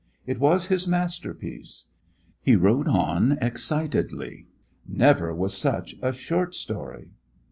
It was his masterpiece. He wrote on excitedly. Never was such a short story!